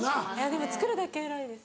でも作るだけ偉いです。